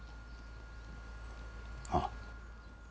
ああ。